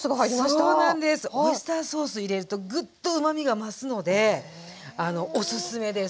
オイスターソース入れるとグッとうまみが増すのでおすすめです。